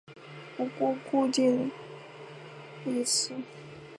不过固定财产一词日渐少使用了。